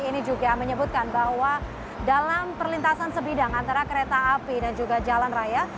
ini juga menyebutkan bahwa dalam perlintasan sebidang antara kereta api dan juga jalan raya